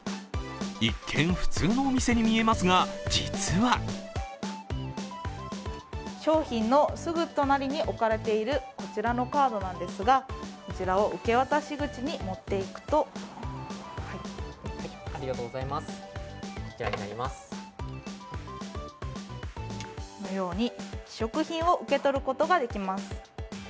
一見、普通のお店に見えますが、実は商品のすぐ隣に置かれているこちらのカードなんですがこちらを受け渡し口に持っていくとこのように試食品を受け取ることができます。